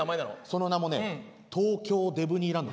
その名もね東京デブニーランド。